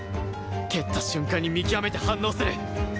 蹴った瞬間に見極めて反応する